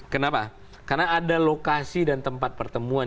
kenapa karena ada lokasi dan tempat pertemuan